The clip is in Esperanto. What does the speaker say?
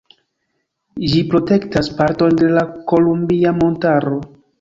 Ĝi protektas parton de la Kolumbia Montaro.